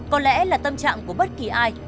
có lẽ là tâm trạng của bất kỳ ai